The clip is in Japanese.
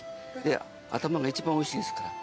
頭が一番おいしいですから。